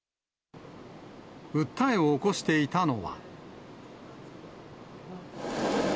訴えを起こしていたのは。